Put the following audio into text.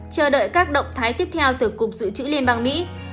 chờ đợi các động thái tiếp theo từ cục dự trữ liên bang mỹ